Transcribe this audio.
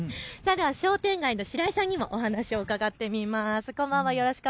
商店街の方にもお話を伺ってみます。